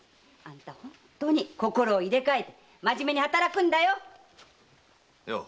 本当に心を入れ替えて真面目に働くんだよ‼よう